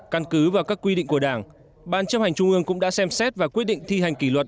căn cứ vào các quy định của đảng ban chấp hành trung ương cũng đã xem xét và quyết định thi hành kỷ luật